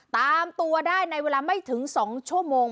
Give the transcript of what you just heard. ตามตัวได้ในเวลาไม่ถึง๒ชั่วโมง